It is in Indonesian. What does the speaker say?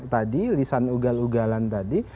tadi lisan ugal ugalan tadi